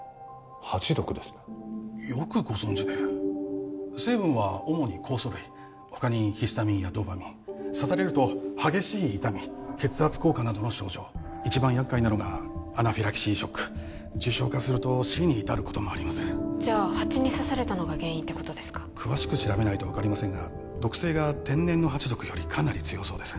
ハチ毒ですねよくご存じで成分は主に酵素類他にヒスタミンやドーパミン刺されると激しい痛み血圧降下などの症状一番厄介なのがアナフィラキシーショック重症化すると死に至ることもありますじゃあハチに刺されたのが原因ってことですか詳しく調べないと分かりませんが毒性が天然のハチ毒よりかなり強そうです